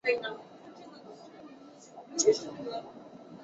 该馆是是中国迄今最大的私人收音机电影机博物馆。